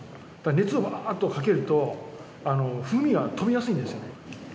熱をバーッとかけると風味が飛びやすいんですよ。